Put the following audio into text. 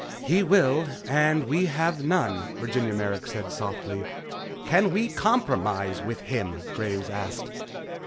"He will. And we have none," Virginia Merrick said softly. "Can we compromise with him?" Graves asked.